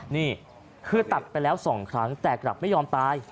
นี่คือตัดไปแล้ว๒ครั้งแต่กลับไม่ยอมตาย